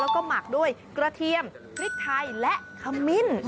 แล้วก็หมักด้วยกระเทียมพริกไทยและขมิ้น